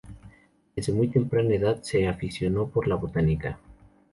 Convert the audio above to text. Desde muy temprana edad se aficionó por la Botánica.